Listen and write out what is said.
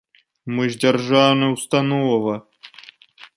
Мы ж дзяржаўная ўстанова!